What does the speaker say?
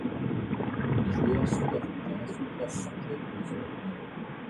Les joueurs sud-africains se classent cinquième de ce tournoi.